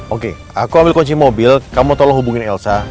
oke aku ambil kunci mobil kamu tolong hubungin elsa